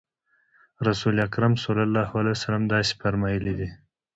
رسول اکرم صلی الله علیه وسلم داسې فرمایلي دي.